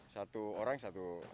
satu orang satu